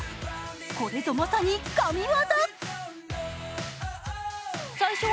これぞまさに神業！